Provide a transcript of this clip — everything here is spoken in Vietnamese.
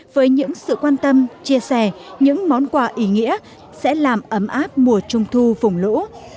với những sự quan tâm chia sẻ những món quà ý nghĩa sẽ làm ấm áp mùa trung thu vùng lũ